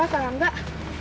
laura kalau gak